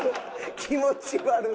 気持ち悪っ！